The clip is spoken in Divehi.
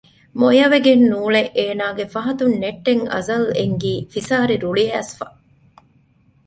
މޮޔަވެގެން ނޫޅެ އޭނާގެ ފަހަތުން ނެއްޓެން އަޒަލް އެންގީ ފިސާރި ރުޅިއައިސްފަ